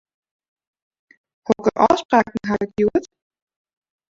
Hokker ôfspraken haw ik hjoed?